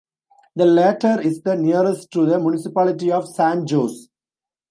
The latter is the nearest to the Municipality of San Jose.